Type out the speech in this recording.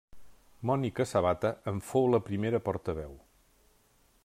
Mònica Sabata en fou la seva primera portaveu.